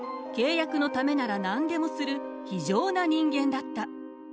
契約のためなら何でもする非情な人間だった。